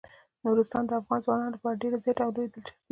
نورستان د افغان ځوانانو لپاره ډیره زیاته او لویه دلچسپي لري.